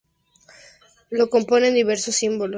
Lo componen diversos símbolos iconográficos del antiguo Perú.